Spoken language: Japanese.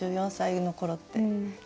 １４歳の頃って。